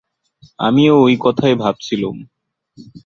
আমিও ঐ কথাই ভাবছিলুম।